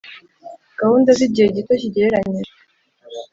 gahunda z’igihe gito kigereranyije.